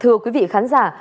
thưa quý vị khán giả